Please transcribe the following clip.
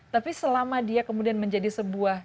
tapi selama dia kemudian menjadi sebuah